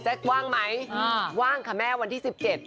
แจ๊กว่างไหมว่างค่ะแม่วันที่๑๗๑๗๑๗